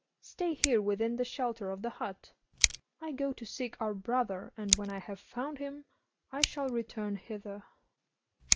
Stay here within the shelter of the hut. I go to seek our brother, and when I have found him I shall return hither.